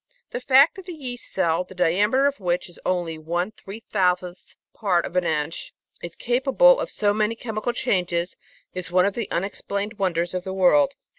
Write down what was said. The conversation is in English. The fact that the yeast cell, the diameter of which is only one three thousandth part of an inch, is capable of so many chemical changes is one of the unexplained wonders of the world.